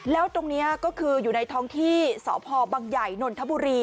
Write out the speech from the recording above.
แล้วตรงนี้ก็คืออยู่ในท้องที่สพบังใหญ่นนทบุรี